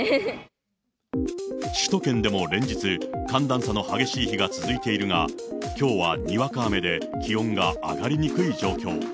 首都圏でも連日、寒暖差の激しい日が続いているが、きょうはにわか雨で気温が上がりにくい状況。